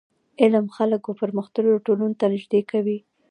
علم خلک و پرمختللو ټولنو ته نژدي کوي.